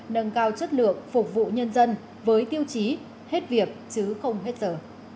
nâng cao chất lượng phục vụ nhân dân với tiêu chí hết việc chứ không hết giờ